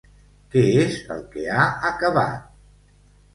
Què és el que ha acabat?